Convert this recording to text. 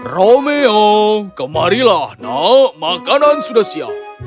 romeo kemarilah nak makanan sudah siap